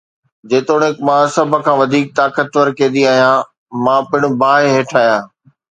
جيتوڻيڪ مان سڀ کان وڌيڪ طاقتور قيدي آهيان، مان پڻ باهه هيٺ آهيان